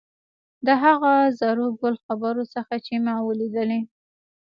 د هغو زرو ګل خبرو څخه چې ما ولیدلې.